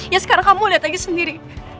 ya sekarang kamu lihat aja sendiri